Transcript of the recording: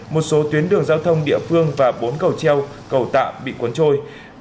một số tuyến đường giao thông địa phương và bốn cầu treo cầu tạm bị cuốn trôi